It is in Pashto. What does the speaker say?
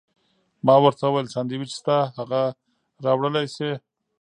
ما ورته وویل: سانډویچ شته، هغه راوړلی شې؟